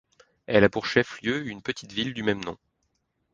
Elle a pour chef-lieu une petite ville du même nom.